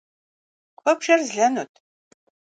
Куэбжэр злэнут.